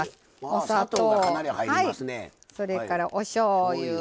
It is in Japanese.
お砂糖、それからおしょうゆ。